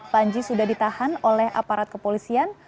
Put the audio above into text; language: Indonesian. panji sudah ditahan oleh aparat kepolisian